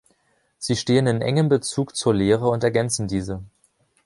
Sie stehen in engem Bezug zur Lehre und ergänzen diese.